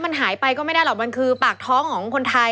มันหายไปก็ไม่ได้หรอกมันคือปากท้องของคนไทย